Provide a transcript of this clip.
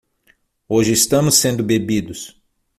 Hoje estamos sendo bebidos